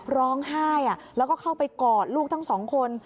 ร้องไห้แล้วก็เข้าไปกอดลูกทั้งสองคน